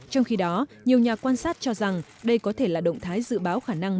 trong khi đó nhiều nhà quan sát cho rằng đây có thể là động thái dự báo khả năng